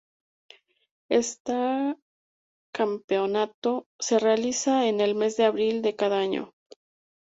Esta campeonato se realiza en el mes de abril de cada año.